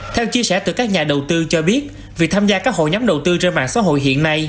theo chia sẻ từ các nhà đầu tư cho biết việc tham gia các hội nhóm đầu tư trên mạng xã hội hiện nay